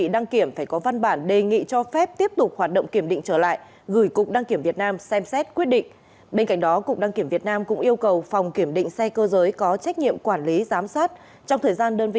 đăng ký kênh để ủng hộ kênh của chúng mình nhé